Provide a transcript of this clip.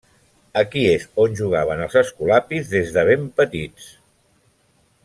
Aquí és on jugaven els escolapis des de ben petits.